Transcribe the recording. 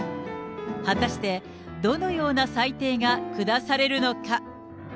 果たして、どのような裁定が下されるのか。